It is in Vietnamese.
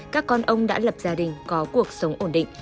các con ông đã lập gia đình có cuộc sống ổn định